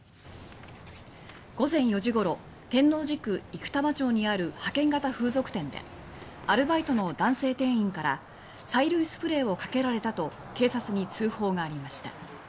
午前４時ごろ天王寺区生玉町にある派遣型風俗店でアルバイトの男性店員から「催涙スプレーをかけられた」と警察に通報がありました。